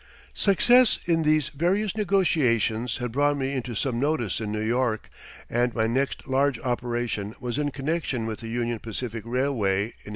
Success in these various negotiations had brought me into some notice in New York, and my next large operation was in connection with the Union Pacific Railway in 1871.